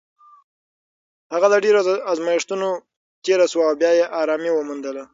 هغه له ډېرو ازمېښتونو تېره شوه او بیا یې ارامي وموندله.